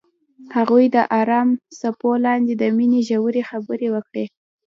هغوی د آرام څپو لاندې د مینې ژورې خبرې وکړې.